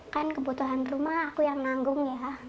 kan kebutuhan rumah aku yang nanggung ya